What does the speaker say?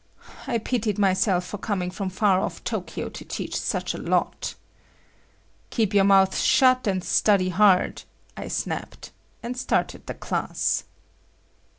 I pitied myself for coming from far off Tokyo to teach such a lot. "Keep your mouth shut, and study hard," I snapped, and started the class.